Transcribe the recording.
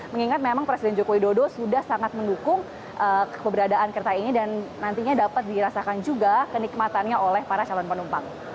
mengingat memang presiden joko widodo sudah sangat mendukung keberadaan kereta ini dan nantinya dapat dirasakan juga kenikmatannya oleh para calon penumpang